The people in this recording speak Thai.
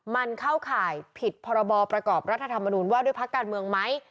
มันเข้าข่ายผิดพรบประกอบรัฐธรรมนุนว่าด้วยพักการเมืองไหม